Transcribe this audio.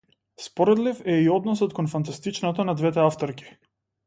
Споредлив е и односот кон фантастичното на двете авторки.